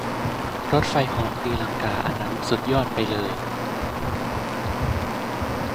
รถไฟเหาะตีลังกาอันนั้นสุดยอกไปเลย !